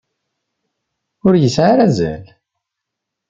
Ur yesɛi ara azal!